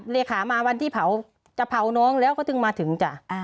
เลขามาวันที่เผาจะเผาน้องแล้วก็ถึงมาถึงจ้ะ